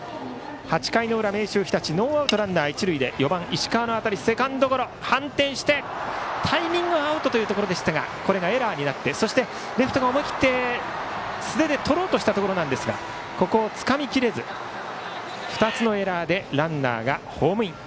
８回の裏、明秀日立ノーアウトランナー、一塁で４番、石川の当たりセカンドゴロ、反転してタイミングアウトというところでしたがエラーになってそして、レフトが思い切って素手でとろうとしたところですがここをつかみきれず２つのエラーでランナーがホームイン。